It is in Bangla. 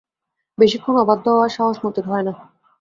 বেশিক্ষণ অবাধ্য হওয়ার সাহস মতির হয় না।